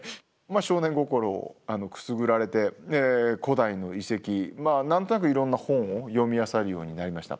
少年心をくすぐられて古代の遺跡まあ何となくいろんな本を読みあさるようになりました。